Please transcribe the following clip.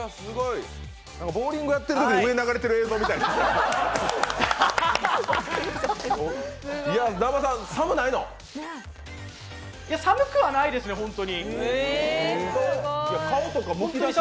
ボウリングやってるときに上に流れてる映像みたいやった。